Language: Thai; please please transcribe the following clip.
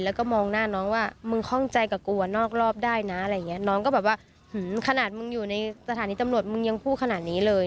แล้วก็มองหน้าน้องว่ามึงข้องใจกับกูอ่ะนอกรอบได้นะอะไรอย่างเงี้ยน้องก็แบบว่าขนาดมึงอยู่ในสถานีตำรวจมึงยังพูดขนาดนี้เลย